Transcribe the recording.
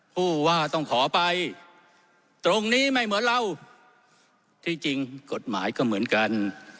ผู้ว่าต้องขอไปตรงนี้ไม่เหมือนเราที่จริงกฎหมายก็เหมือนกัน